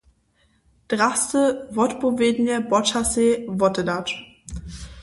Drasty wotpowědnje počasej wotedać.